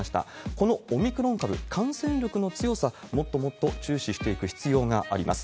このオミクロン株、感染力の強さ、もっともっと注視していく必要があります。